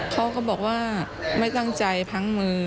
เขาก็บอกว่าไม่ตั้งใจพังมือ